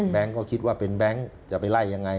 ก็คิดว่าเป็นแบงค์จะไปไล่ยังไง